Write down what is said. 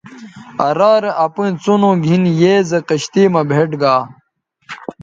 آ رارے اپئیں څنو گِھن بے زی کشتئ مہ بھئیٹ گا